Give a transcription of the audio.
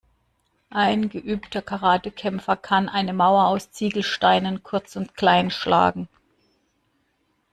Ein geübter Karatekämpfer kann eine Mauer aus Ziegelsteinen kurz und klein schlagen.